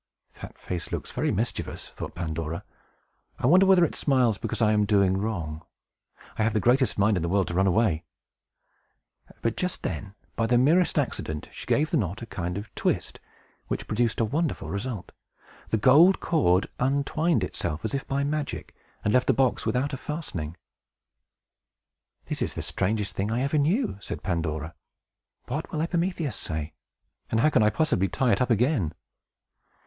"That face looks very mischievous," thought Pandora. "I wonder whether it smiles because I am doing wrong! I have the greatest mind in the world to run away!" But just then, by the merest accident, she gave the knot a kind of a twist, which produced a wonderful result. The gold cord untwined itself, as if by magic, and left the box without a fastening. "This is the strangest thing I ever knew!" said Pandora. "What will Epimetheus say? And how can I possibly tie it up again?"